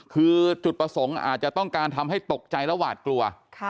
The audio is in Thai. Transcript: คือจุดประสงค์อาจจะต้องการทำให้ตกใจและหวาดกลัว